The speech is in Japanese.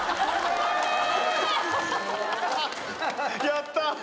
やった。